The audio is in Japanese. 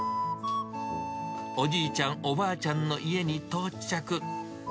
おじいちゃん、おばあちゃんの家に到着。